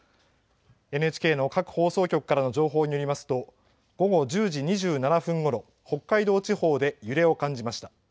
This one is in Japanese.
ＮＨＫの各放送局からの情報によりますと、午後１０時２７分ごろ北海道地方で揺れを感じました。